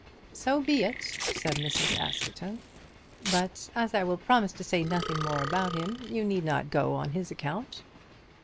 "So be it," said Mrs. Askerton; "but as I will promise to say nothing more about him, you need not go on his account."